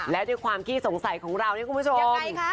แล้วดิวความกี้สงสัยของเรานี้ครับคุณผู้ชม